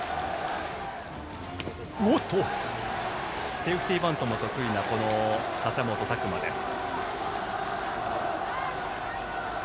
セーフティーバントも得意な笹本琢真です。